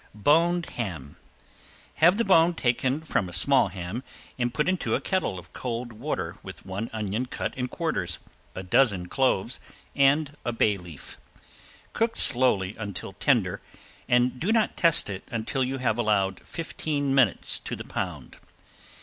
~BONED HAM~ Have the bone taken from a small ham and put into a kettle of cold water with one onion cut in quarters, a dozen cloves, and a bay leaf. Cook slowly until tender and do not test it until you have allowed fifteen minutes to the pound.